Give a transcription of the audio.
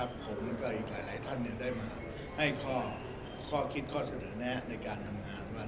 ผมและอีกหลายท่านได้มาให้คิดข้อเสดอแนะในการทำงาน